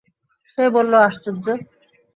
সে বলল, আশ্চর্য!